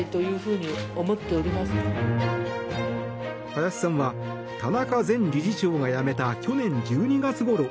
林さんは田中前理事長が辞めた去年１２月ごろ